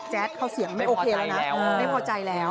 เขาเสียงไม่โอเคแล้วนะไม่พอใจแล้ว